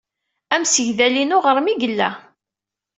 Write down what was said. Amsegdal-inu ɣer-m ay yella.